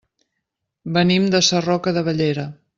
Venim de Sarroca de Bellera.